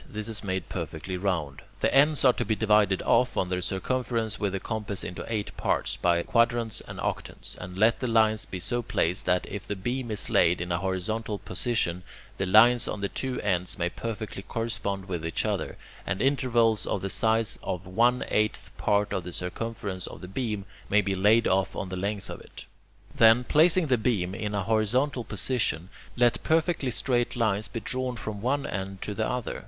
This is made perfectly round. The ends are to be divided off on their circumference with the compass into eight parts, by quadrants and octants, and let the lines be so placed that, if the beam is laid in a horizontal position, the lines on the two ends may perfectly correspond with each other, and intervals of the size of one eighth part of the circumference of the beam may be laid off on the length of it. Then, placing the beam in a horizontal position, let perfectly straight lines be drawn from one end to the other.